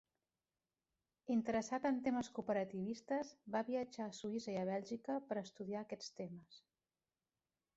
Interessat en temes cooperativistes, va viatjar a Suïssa i a Bèlgica per estudiar aquests temes.